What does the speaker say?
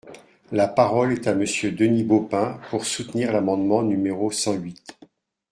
La parole est à Monsieur Denis Baupin, pour soutenir l’amendement numéro cent huit.